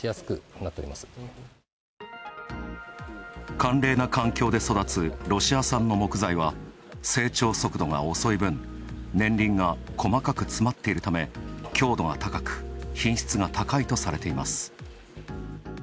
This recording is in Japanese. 寒冷な環境で育つロシア産の木材は成長速度が遅い分、年輪が細かく詰まっているため強度が高く、品質が高いとされています。